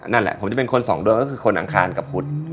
นั่นแหละผมจะเป็นคนสองดวงก็คือคนอังคารกับพุทธ